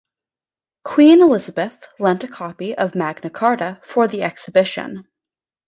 Queen Elizabeth lent a copy of Magna Carta for the exhibition.